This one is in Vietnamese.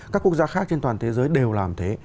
các quốc gia khác trên toàn thế giới đều làm thế